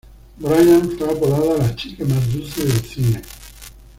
Brian fue apodada "La chica más dulce del cine.